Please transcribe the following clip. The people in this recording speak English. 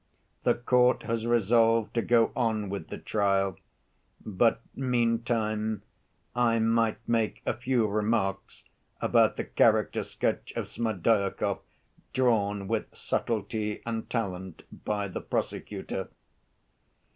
"The court has resolved to go on with the trial, but, meantime, I might make a few remarks about the character‐sketch of Smerdyakov drawn with subtlety and talent by the prosecutor.